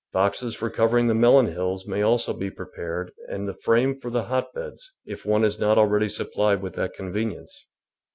Boxes for covering the melon hills may also be prepared and the frame for the hotbeds, if one is not already supplied with that convenience.